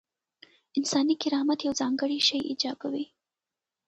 انساني کرامت یو ځانګړی شی ایجابوي.